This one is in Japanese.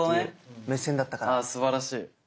あすばらしい。